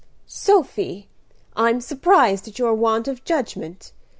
II "Sophy, I'm surprised at your want of judgment.